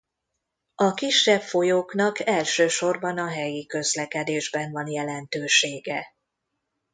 A kisebb folyóknak elsősorban a helyi közlekedésben van jelentősége.